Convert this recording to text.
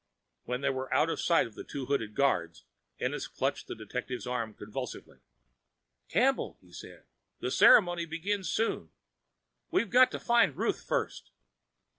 When they were out of sight of the two hooded guards, Ennis clutched the detective's arm convulsively. "Campbell," he said, "the ceremony begins soon! We've got to find Ruth first!"